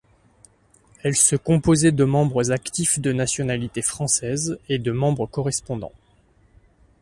Elle se composait de membres actifs de nationalité française et de membres correspondants.